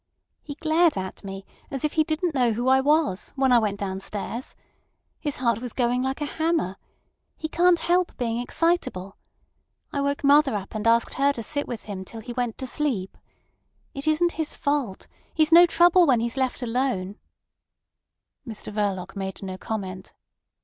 "He glared at me, as if he didn't know who I was, when I went downstairs. His heart was going like a hammer. He can't help being excitable. I woke mother up, and asked her to sit with him till he went to sleep. It isn't his fault. He's no trouble when he's left alone." Mr Verloc made no comment.